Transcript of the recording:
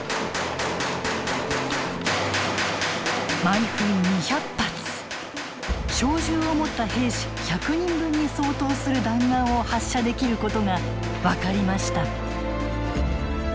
毎分２００発小銃を持った兵士１００人分に相当する弾丸を発射できることが分かりました。